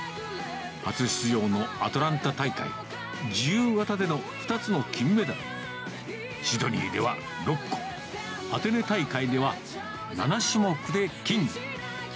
初出場のアトランタ大会、自由形での２つの金メダル、シドニーでは６個、アテネ大会では、７種目で金。